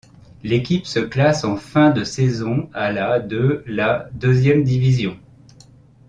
L'équipe se classe en fin de saison à la de la deuxième division.